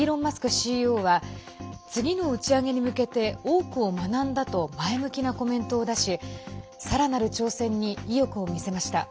ＣＥＯは次の打ち上げに向けて多くを学んだと前向きなコメントを出しさらなる挑戦に意欲を見せました。